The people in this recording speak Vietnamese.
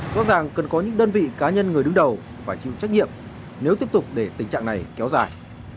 rõ ràng cần có những đơn vị cá nhân người đứng đầu phải chịu trách nhiệm nếu tiếp tục để tình trạng này kéo dài